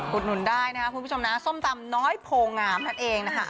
หนุนได้นะครับคุณผู้ชมนะส้มตำน้อยโพงามนั่นเองนะคะ